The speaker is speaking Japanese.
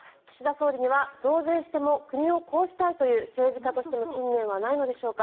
総理には増税しても国をこうしたいという政治家としての信念はないのでしょうか？